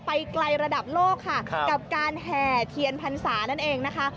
ไปไกลระดับโลกค่ะกับการแห่เทียนพรรษานั่นเองนะคะ